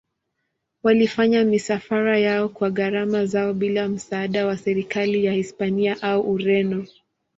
Walifanya misafara yao kwa gharama zao bila msaada wa serikali ya Hispania au Ureno.